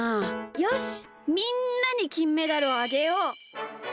よしみんなにきんメダルをあげよう！